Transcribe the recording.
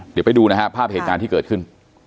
เดี๋ยวไปดูนะฮะภาพเหตุการณ์ที่เกิดขึ้น